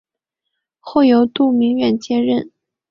后由杜明远接任。